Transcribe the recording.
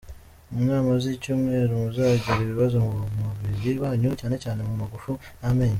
Inama z’icyumweru: muzagira ibibazo mu mubiri wanyu cyane cyane mu magufa, n’amenyo.